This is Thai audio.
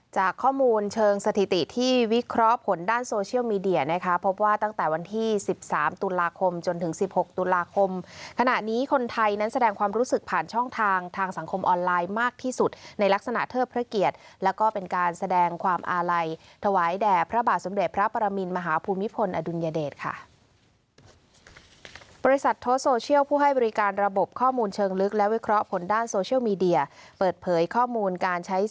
จากข้อมูลเชิงสถิติที่วิเคราะห์ผลด้านโซเชียลมีเดียนะคะพบว่าตั้งแต่วันที่๑๓ตุลาคมจนถึง๑๖ตุลาคมขณะนี้คนไทยนั้นแสดงความรู้สึกผ่านช่องทางทางสังคมออนไลน์มากที่สุดในลักษณะเทิดพระเกียรติแล้วก็เป็นการแสดงความอาลัยถวายแด่พระบาทสมเด็จพระปรมินมหาภูมิพลอดุลยเดชค่ะ